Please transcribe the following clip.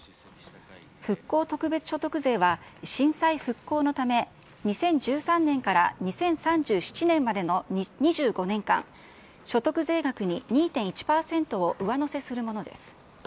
復興特別所得税は震災復興のため、２０１３年から２０３７年までの２５年間、所得税額に２．１％を上乗せするものです。